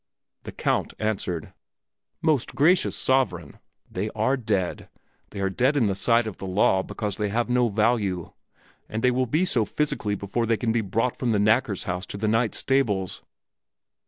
The Count answered, "Most gracious sovereign, they are dead; they are dead in the sight of the law because they have no value, and they will be so physically before they can be brought from the knacker's house to the knights' stables."